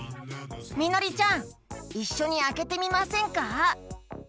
みのりちゃんいっしょにあけてみませんか？